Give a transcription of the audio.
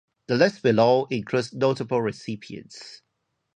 The list below includes notable recipients.